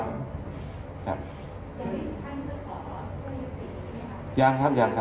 อยากให้ทุกท่านเพื่อขอบอกว่าอยู่ติดไหมครับยังครับยังครับ